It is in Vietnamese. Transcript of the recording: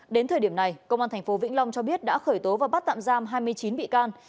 đến thời điểm này công an tp vĩnh long cho biết đã khởi tố và bắt tạm giam hai mươi chín bị can